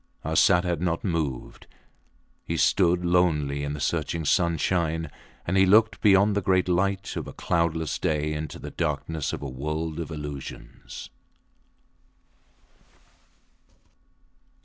Arsat had not moved. He stood lonely in the searching sunshine; and he looked beyond the great light of a cloudless day into the darkness of a world of illusions.